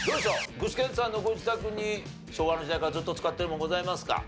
具志堅さんのご自宅に昭和の時代からずっと使ってるものございますか？